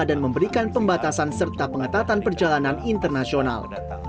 dan memberikan pembatasan serta pengetatan perjalanan internasional